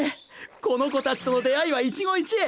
この子たちとの出会いは一期一会。